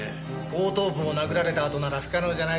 後頭部を殴られたあとなら不可能じゃないさ。